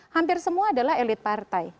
hampir semua adalah elit partai